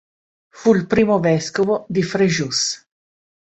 Fu il primo vescovo di Fréjus.